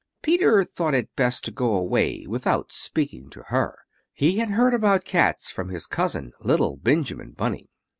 Peter thought it best to go away without speaking to her; he had heard about cats from his cousin, little Benjamin Bunny.